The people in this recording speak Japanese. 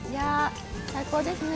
最高ですね。